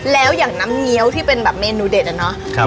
แล้วอย่างน้ำเงี้ยวที่เป็นแบบเมนูเด็ดอะเนาะ